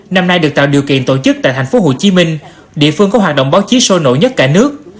năm nay được tạo điều kiện tổ chức tại tp hcm địa phương có hoạt động báo chí sôi nổi nhất cả nước